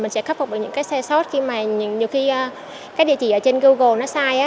mình sẽ khắc phục những cái xe sót khi mà nhiều khi cái địa chỉ ở trên google nó sai